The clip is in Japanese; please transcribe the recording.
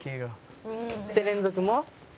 で連続も。